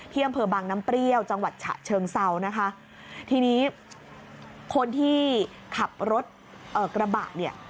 อำเภอบางน้ำเปรี้ยวจังหวัดฉะเชิงเซานะคะทีนี้คนที่ขับรถเอ่อกระบะเนี่ย